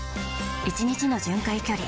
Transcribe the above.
１日の巡回距離